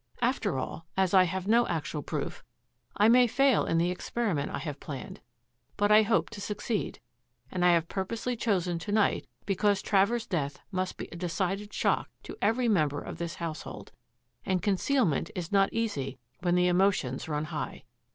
After all, as I have no actual proof, I may fail in the experiment I have planned, but I hope to succeed, and I have purposely chosen to night because Travers' death must be a decided shock to every member of this household, and conceal ment is not easy when the emotions run high.